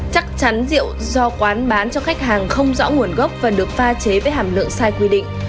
chắc chắn rượu do quán bán cho khách hàng không rõ nguồn gốc và được pha chế với hàm lượng sai quy định